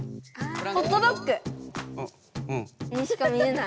ホットドッグ！にしか見えない。